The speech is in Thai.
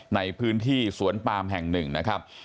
ในพื้นที่สวนปามแห่งหนึ่งนะครับ